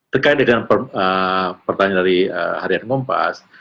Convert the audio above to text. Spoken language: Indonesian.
terkait dengan pertanyaan dari harian kompas